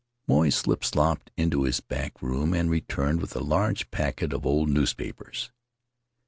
Moy slip slopped into his back room and returned with a large packet of old newspapers.